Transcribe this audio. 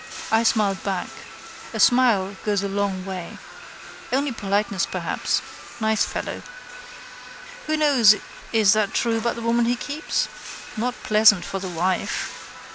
I smiled back. A smile goes a long way. Only politeness perhaps. Nice fellow. Who knows is that true about the woman he keeps? Not pleasant for the wife.